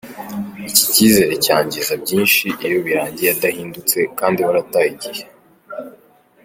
Iki kizere cyangiza byinshi iyo birangiye adahindutse kandi warataye igihe.